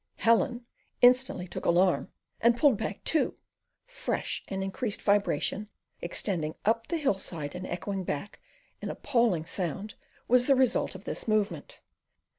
Helen instantly took alarm, and pulled back too: fresh and increased vibration, extending up the hill side and echoing back an appalling sound, was the result of this movement.